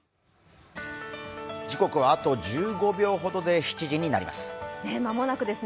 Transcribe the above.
時刻はあと１５秒ほどで７時になります。